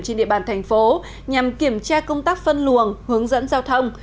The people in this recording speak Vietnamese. trên địa bàn thành phố nhằm kiểm tra công tác phân luồng hướng dẫn giao thông